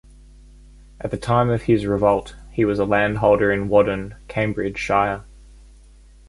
At the time of his revolt, he was a land-holder in Whaddon, Cambridgeshire.